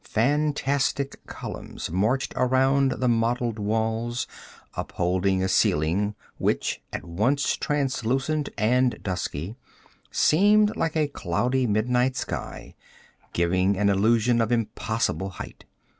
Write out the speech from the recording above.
Fantastic columns marched around the mottled walls, upholding a ceiling, which, at once translucent and dusky, seemed like a cloudy midnight sky, giving an illusion of impossible height.